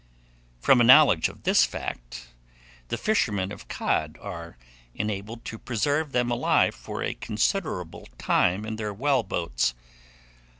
From a knowledge of this fact, the fishermen of cod are enabled to preserve them alive for a considerable time in their well boats.